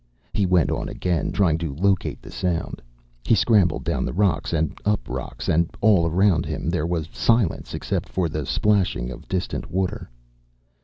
He went on again, trying to locate the sound. He scrambled down rocks and up rocks, and all around him there was silence, except for the splashing of distant water.